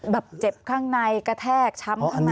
แบบเจ็บข้างในกระแทกช้ำข้างใน